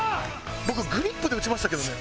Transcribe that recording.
僕グリップで打ちましたけどね。